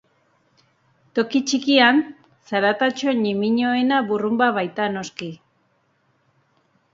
Toki txikian, zaratatxo ñimiñoena burrunba baita, noski.